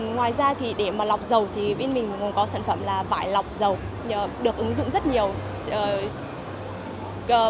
ngoài ra thì để mà lọc dầu thì bên mình còn có sản phẩm là vải lọc dầu được ứng dụng rất nhiều